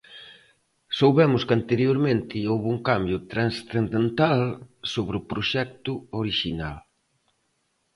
Soubemos que anteriormente houbo un cambio transcendental sobre o proxecto orixinal.